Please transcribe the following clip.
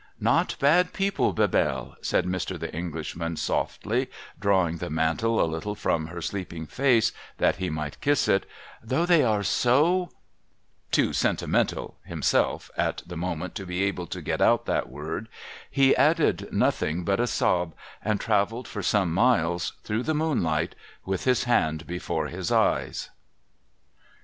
' Not bad people, Bebelle !' said Mr. The Englishman, softly drawing the mantle a little from her sleeping face, that he might kiss it, ' though they are so^ ' Too ' sentimental ' himself at the moment to be able to get out that word, he added nothing but a sob, and travelled for some miles, through the moonlight, with his hand before his eyes.